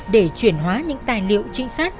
để chuyển hóa những tài liệu trinh sát